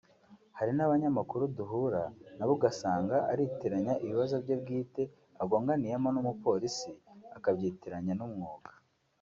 Hari n’abanyamakuru duhura nabo ugasanga aritiranya ibibazo bye bwite agonganiyemo n’umupolisi akabyitiranya n’umwuga